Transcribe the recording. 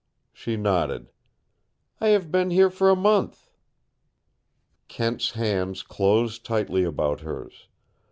She nodded. "I have been here for a month." Kent's hands closed tighter about hers.